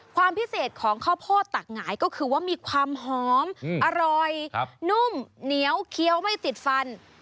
ความพิเศษของข้าวโพดตักหงายก็คือว่ามีความหอมอร่อยนุ่มเหนียวเคี้ยวไม่ติดฟัน